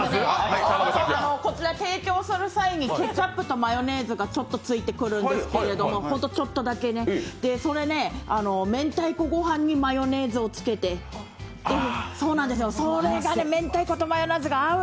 こちら提供する際にケチャップとマヨネーズがちょっとだけついてくるんですけど、それね、明太子ごはんにマヨネーズをつけて、そうなんですよ、それがね、明太子とマヨネーズが合う！